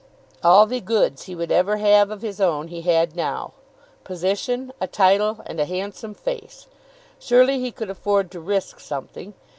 All the goods he would ever have of his own, he had now; position, a title, and a handsome face. Surely he could afford to risk something!